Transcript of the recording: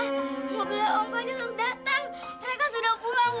alhamdulillah om fahdian datang mereka sudah pulang bu